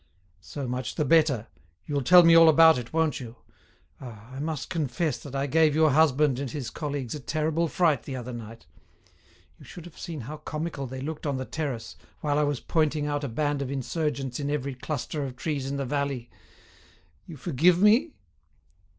"So much the better. You'll tell me all about it, won't you? Ah! I must confess that I gave your husband and his colleagues a terrible fright the other night. You should have seen how comical they looked on the terrace, while I was pointing out a band of insurgents in every cluster of trees in the valley! You forgive me?"